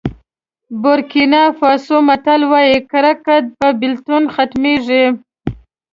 بورکېنا فاسو متل وایي کرکه په بېلتون ختمېږي.